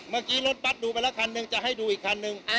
เมื่อกี้รถบัตรดูไปแล้วคันหนึ่งจะให้ดูอีกคันนึง